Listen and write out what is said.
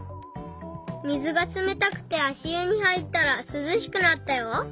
水がつめたくてあしゆにはいったらすずしくなったよ。